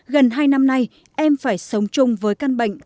gần hai năm nay em phải sống chung với căn bệnh